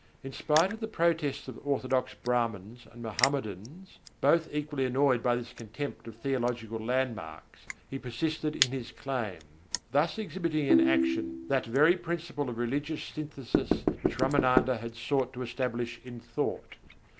In spite of the protests of orthodox Brâhmans and Mohammedans, both equally annoyed by this contempt of theological landmarks, he persisted in his claim; thus exhibiting in action that very principle of religious synthesis which Râmânanda had sought to establish in thought.